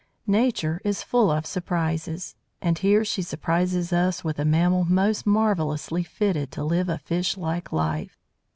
Nature is full of surprises. And here she surprises us with a mammal most marvellously fitted to live a fish like life.